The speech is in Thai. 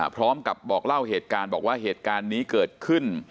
พร้อมกับบอกเล่าเหตุการณ์บอกว่าเหตุการณ์นี้เกิดขึ้น